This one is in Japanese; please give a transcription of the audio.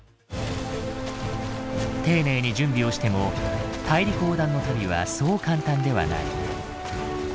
丁寧に準備をしても大陸横断の旅はそう簡単ではない。